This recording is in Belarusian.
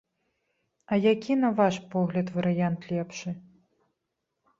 А які, на ваш погляд, варыянт лепшы?